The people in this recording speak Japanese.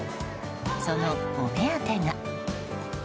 そのお目当てが。